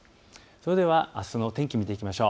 それではあすの天気を見ていきましょう。